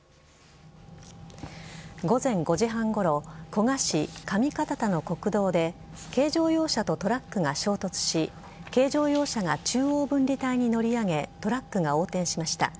午前５時半ごろ古河市上片田の国道で軽乗用車とトラックが衝突し軽乗用車が中央分離帯に乗り上げトラックが横転しました。